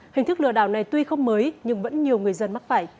hình thức lừa đảo này tuy không mới nhưng vẫn nhiều người dân mắc phải